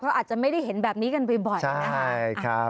อาจจะไม่ได้เห็นแบบนี้กันบ่อย